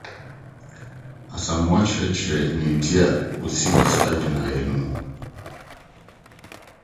Asamoah kyerɛkyerɛɛ nea enti a osii saa gyinae no mu.